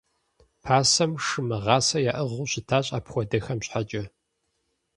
Пасэм шы мыгъасэ яӏыгъыу щытащ апхуэдэхэм щхьэкӏэ.